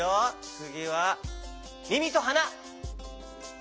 つぎはみみとはな！